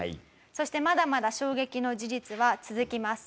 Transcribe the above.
そしてまだまだ衝撃の事実は続きます。